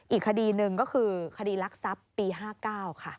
อีกคดีหนึ่งก็คือคดีรักทรัพย์ปี๕๙ค่ะ